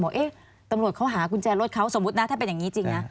เอ๊ะตำรวจเขาหากุญแจรถเขาสมมุตินะถ้าเป็นอย่างนี้จริงนะ